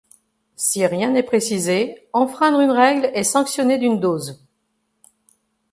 Si rien n'est précisé, enfreindre une règle est sanctionnée d'une dose.